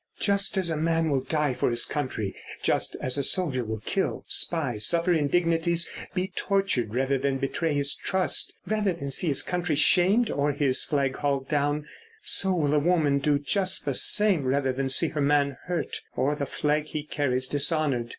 Just as a man will die for his country, just as a soldier will kill, spy, suffer indignities, be tortured, rather than betray his trust, rather than see his country shamed or his flag hauled down, so will a woman do just the same rather than see her man hurt or the flag he carries dishonoured.